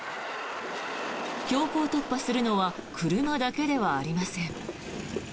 強行突破するのは車だけではありません。